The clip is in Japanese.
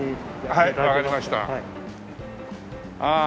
はい。